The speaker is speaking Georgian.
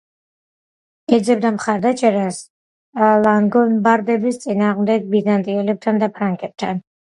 ეძებდა მხარდაჭერას ლანგობარდების წინააღმდეგ ბიზანტიელებთან და ფრანკებთან.